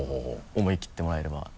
思いきってもらえれば。